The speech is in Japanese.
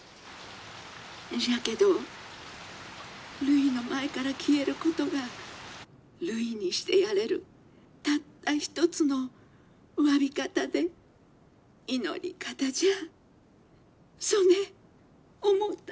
じゃけどるいの前から消えることがるいにしてやれるたった一つのわび方で祈り方じゃあそねえ思うた。